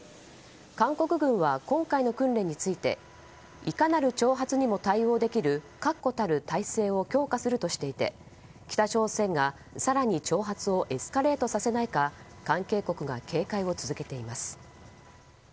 韓国軍は今回の訓練についていかなる挑発にも対応できる確固たる態勢を強化するとしていて北朝鮮が更に挑発をエスカレートさせないか関係国が警戒を続けています。